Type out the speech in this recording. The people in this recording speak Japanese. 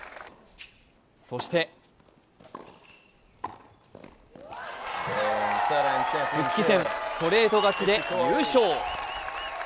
そして復帰戦、ストレート勝ちで優勝。